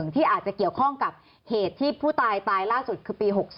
ที่อาจจะเกี่ยวข้องกับเหตุที่ผู้ตายตายล่าสุดคือปี๖๒